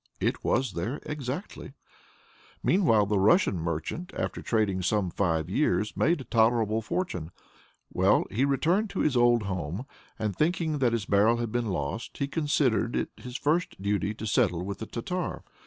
It was there exactly. Meanwhile, the Russian merchant, after trading some five years, made a tolerable fortune. Well, he returned to his old home, and, thinking that his barrel had been lost, he considered it his first duty to settle with the Tartar.